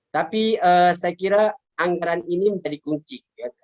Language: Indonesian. tapi saya kira anggaran ini menjadi kunci